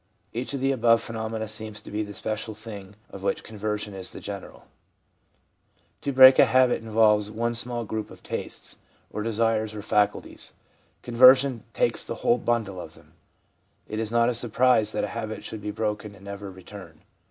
Each of the above phenomena seems to be the special thing of which conversion is the general. To break a habit involves one small group of tastes, or desires, or faculties ; conversion takes the whole bundle of them. It is not a surprise that a habit should be broken and never return.